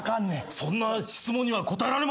そんな質問には答えられませんね。